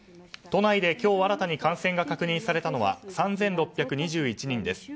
都内で今日新たに感染が確認されたのは３６２１人です。